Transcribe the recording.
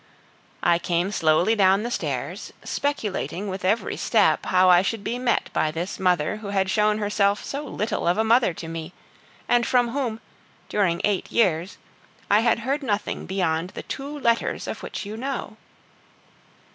I came slowly down the stairs, speculating with every step how I should be met by this mother who had shown herself so little of a mother to me, and from whom, during eight years, I had heard nothing beyond the two letters of which you know.